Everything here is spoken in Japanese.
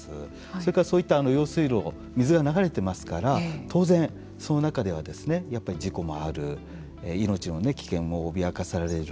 それからそういった用水路水が流れていますから当然その中ではやっぱり事故もある命の危険も脅かされる。